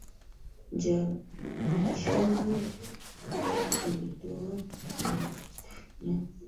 Jaji mkuu alitoa hukumu ipasavyo.